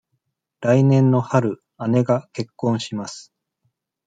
来年の春、姉が結婚します。